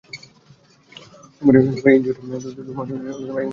তোমার এই ইন্দ্রিয়টা আসলেই দারুণ।